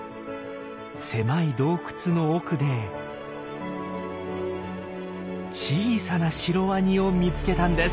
狭い洞窟の奥で小さなシロワニを見つけたんです。